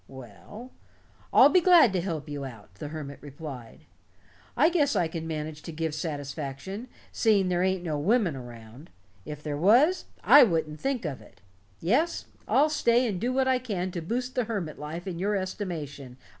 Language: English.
"Well I'll be glad to help you out," the hermit replied. "I guess I can manage to give satisfaction, seeing there ain't no women around. If there was, I wouldn't think of it. Yes, I'll stay and do what I can to boost the hermit life in your estimation.